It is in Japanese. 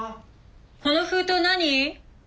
この封筒何？